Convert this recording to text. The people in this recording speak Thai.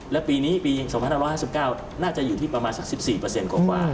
และปีนี้ปี๒๕๕๙น่าจะอยู่ที่ประมาณสัก๑๔กว่า